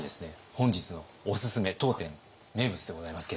本日のおすすめ当店名物でございますけれども。